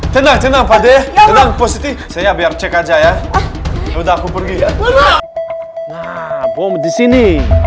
tenang tenang padeh tenang positif saya biar cek aja ya udah aku pergi nah bom di sini